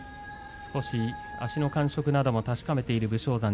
少し足の感触なども確かめている武将山。